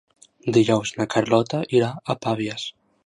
Dijous na Carlota irà a Pavies.